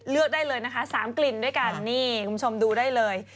ได้เลยนะคะ๓กลิ่นด้วยกันนี่คุณผู้ชมดูได้เลย